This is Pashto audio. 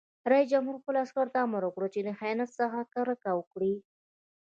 رئیس جمهور خپلو عسکرو ته امر وکړ؛ له خیانت څخه کرکه وکړئ!